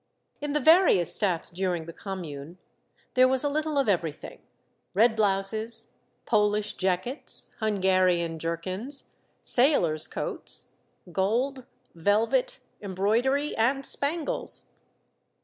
In the various staffs during the Commune, there was a little of everything, red blouses, Polish jack ets, Hungarian jerkins, sailors' coats, gold, velvet, embroidery, and spangles.